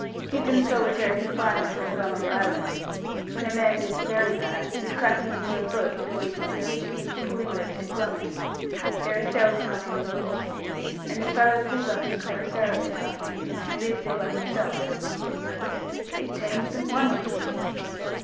"Give them solitary confinement on Grummet Island. When a man gets very bad, we clap him into a boat with a week's provisions and pull him over to Grummet. There are cells cut in the rock, you see, and the fellow pulls up his commissariat after him, and lives there by himself for a month or so. It tames them wonderfully."